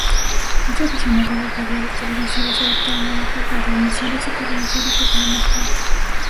Muchas de sus novelas radiales-televisivas se adaptaron en otras radioemisoras y televisoras latinoamericanas.